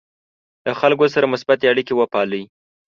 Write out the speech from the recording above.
له خلکو سره مثبتې اړیکې وپالئ.